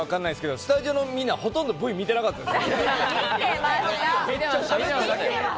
スタジオのみんな、ほとんどＶ見てなかったですよ。